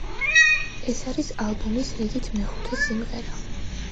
ეს არის ალბომის რიგით მეხუთე სიმღერა.